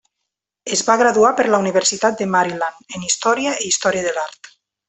Es va graduar per la Universitat de Maryland, en Història i Història de l'Art.